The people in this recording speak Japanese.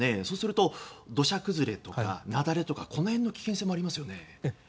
そうすると、土砂崩れとか雪崩とかこの辺の危険性もありますよね。